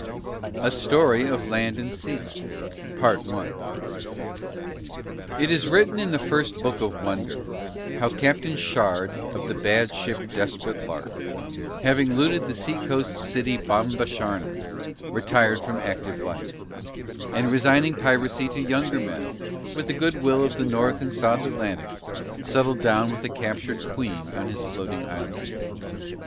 A Story of Land and Sea It is written in the first Book of Wonder how Captain Shard of the bad ship Desperate Lark, having looted the sea coast city Bombasharna, retired from active life; and resigning piracy to younger men, with the good will of the North and South Atlantic, settled down with a captured queen on his floating island.